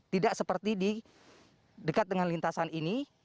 tidak seperti di dekat dengan lintasan ini